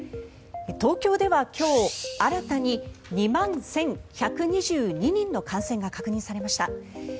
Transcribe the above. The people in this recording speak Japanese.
東京では今日新たに２万１１２２人の感染が確認されました。